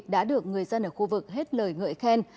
đã được người dân ở khu vực hết lời ngợi khen